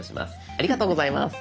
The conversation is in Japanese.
ありがとうございます。